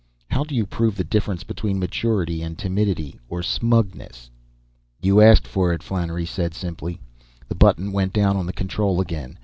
How do you prove the difference between maturity and timidity or smugness?" "You asked for it," Flannery said simply. The button went down on the control again.